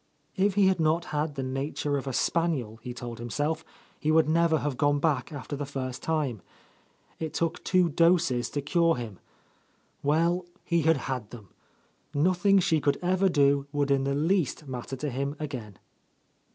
If he had not had the nature of a spaniel, he told himself, he would never have gone back after the first time. It took two doses to cure him. Well, he had had theml Nothing she could ever do would in the least matter to him again.